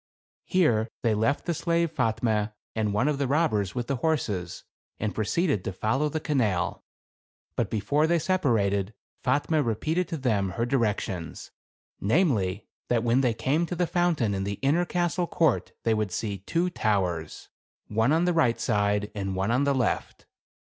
Here they left the slave Fatme, and one of the robbers with the horses, Thiuli j [~ Our\tb.MV 186 THE CAB AVAN. and proceeded to follow the canal ; but before they separated, Fatme repeated to them her di rections, namely, that when they came to the fountain in the inner castle court, they would see two towers ; one W, on the right side and one on the left.